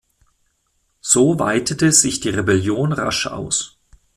So weitete sich die Rebellion rasch aus.